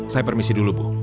saya permisi dulu bu